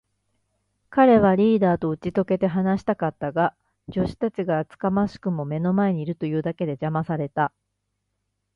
彼はフリーダとうちとけて話したかったが、助手たちが厚かましくも目の前にいるというだけで、じゃまされた。